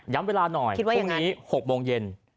เวลาหน่อยพรุ่งนี้๖โมงเย็น